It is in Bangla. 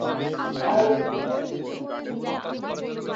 তার এক ছোট ভাই রয়েছে, যার নাম ডেভিড।